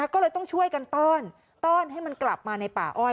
ก็เลยต้องช่วยกันต้อนต้อนให้มันกลับมาในป่าอ้อย